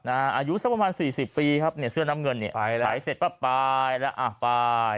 อายุสักประมาณ๔๐ปีครับเสื้อน้ำเงินเนี่ยถ่ายเสร็จป้ะไปแล้วอ่ะไป